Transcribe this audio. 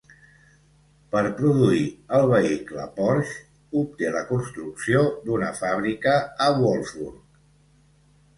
Per produir el vehicle, Porsche obté la construcció d'una fàbrica a Wolfsburg.